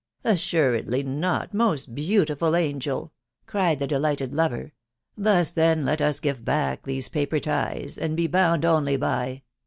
" Assuredly not, most beautiful angel !" cried the delighted lover :" thus, then, let us give back these paper ties, and be bound only by